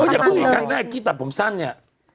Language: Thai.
อย่าพูดอีกทั้งนั้นไอ้กี้ตัดผมสั้นเนี่ย